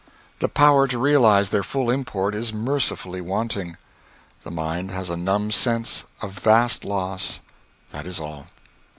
The power to realize their fall import is mercifully wanting. The mind has a dumb sense of vast loss that is all.